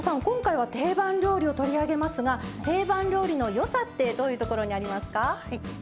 今回は定番料理を取り上げますが定番料理の良さってどういうところにありますか？